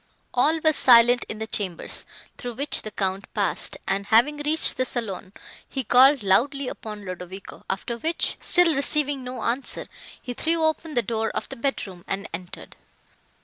All was silent in the chambers, through which the Count passed, and, having reached the saloon, he called loudly upon Ludovico; after which, still receiving no answer, he threw open the door of the bedroom, and entered.